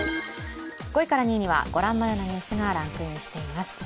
５位から２位にはご覧のニュースがランクインしています。